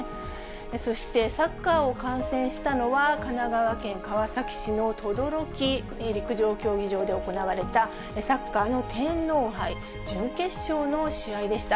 そしてサッカーを観戦したのは神奈川県川崎市のとどろき陸上競技場で行われた、サッカーの天皇杯準決勝の試合でした。